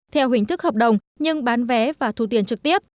theo hình thức hợp đồng nhưng bán vé và thu tiền trực tiếp